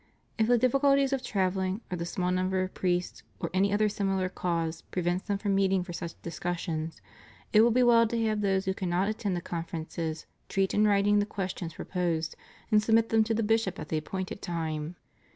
If the difficulties of travelling, or the small number of priests, or any other similar cause prevents * Malachy ii. 7. THE CHURCH IN THE PHILIPPINES. 549 them from meeting for such discussions, it will be well to have those who cannot attend the conferences treat in writing the questions proposed and submit them to the bishop at the appointed time.